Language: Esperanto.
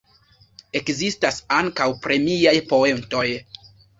Ekzistas ankaŭ premiaj poentoj.